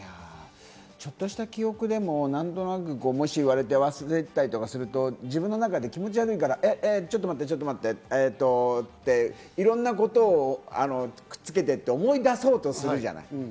ちょっとした記憶でも言われて忘れてたりとかすると自分の中で気持ち悪いから、ちょっと待って、えっとって、いろんなことをくっつけて思い出そうとするじゃない？